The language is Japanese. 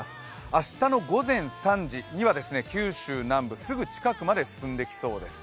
明日の午前３時には九州南部、すぐ近くまで進んできそうです。